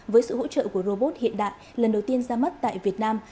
với sự hỗ trợ của robot hiện đại lần đầu tiên ra mắt tại việt nam